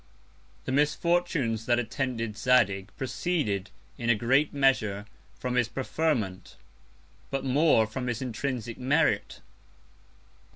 The Misfortunes that attended Zadig proceeded, in a great Measure, from his Preferment; but more from his intrinsic Merit.